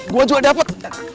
gua juga dapet